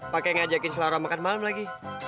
pakai ngajakin selera makan malam lagi